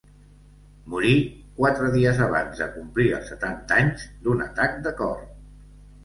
Morí quatre dies abans de complir els setanta anys d'un atac de cor.